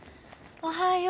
おはよう。